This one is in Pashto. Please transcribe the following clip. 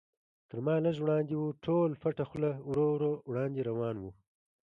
تر ما لږ وړاندې و، ټول پټه خوله ورو ورو وړاندې روان و.